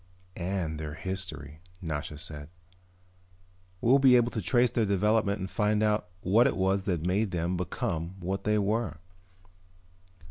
"And their history," Nasha said. "We'll be able to trace their development and find out what it was that made them become what they were."